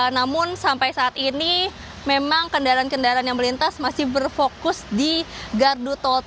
namun sampai saat ini memang kendaraan kendaraan yang melintas masih berfokus di gardu tol